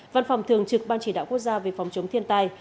văn phòng thường trực ban chỉ đạo quốc gia về phòng chống thiên tai